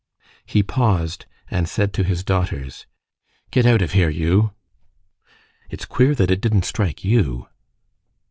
He paused, and said to his daughters:— "Get out of here, you!—It's queer that it didn't strike you!"